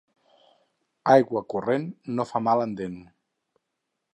Aigua corrent no fa mal en dent.